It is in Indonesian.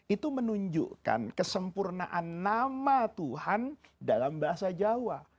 itu menunjukkan kesempurnaan nama tuhan dalam bahasa jawa